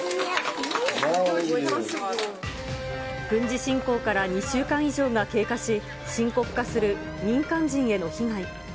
軍事侵攻から２週間以上が経過し、深刻化する民間人への被害。